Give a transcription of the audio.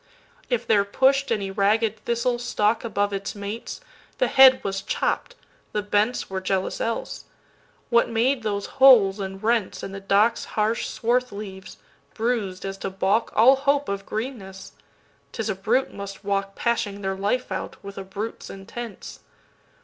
If there push'd any ragged thistle=stalkAbove its mates, the head was chopp'd; the bentsWere jealous else. What made those holes and rentsIn the dock's harsh swarth leaves, bruis'd as to baulkAll hope of greenness? 'T is a brute must walkPashing their life out, with a brute's intents.